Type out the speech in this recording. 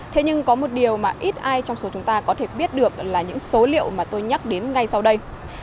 thế nhưng có một điều mà ít ai trong số chúng ta có thể biết được là những số liệu mà tôi nhắc đến ngay sau đây